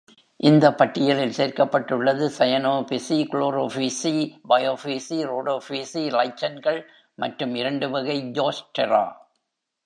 இந்த பட்டியலில் சேர்க்கப்பட்டுள்ளது: சயனோஃபிசி, குளோரோபீசி, பயோஃபீசி, ரோடோபீசி, லைச்சன்கள் மற்றும் இரண்டு வகை ஜோஸ்டெரா.